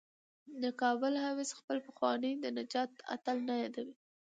د کابل حافظه خپل پخوانی د نجات اتل نه یادوي.